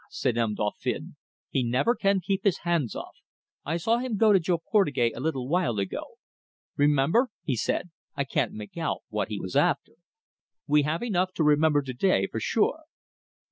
said M. Dauphin, "he never can keep hands off. I saw him go to Jo Portugais a little while ago. 'Remember!' he said I can't make out what he was after. We have enough to remember to day, for sure."